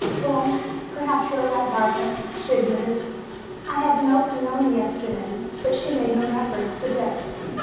"Well, perhaps you are right, Barbara," she admitted. "I had a note from Nona yesterday, but she made no reference to Dick.